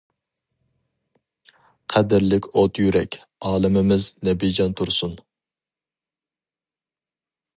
قەدىرلىك ئوت يۈرەك ئالىمىمىز نەبىجان تۇرسۇن!